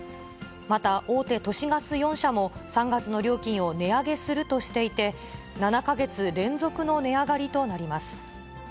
また、大手都市ガス４社も、３月の料金を値上げするとしていて、７か月連続の値上がりとなります。